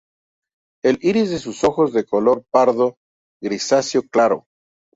El iris de sus ojos de color pardo grisáceo claro.